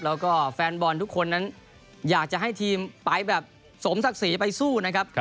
แล้วก็แฟนบอลทุกคนนั้นอยากจะให้ทีมไปแบบสมศักดิ์ศรีไปสู้นะครับ